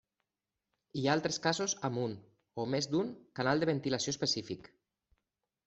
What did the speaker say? Hi ha altres casos amb un, o més d'un, canal de ventilació específic.